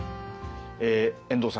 遠藤さん